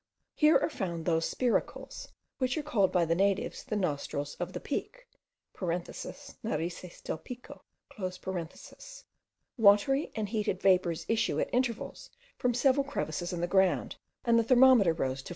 Here are found those spiracles, which are called by the natives the Nostrils of the Peak (Narices del Pico). Watery and heated vapours issue at intervals from several crevices in the ground, and the thermometer rose to 43.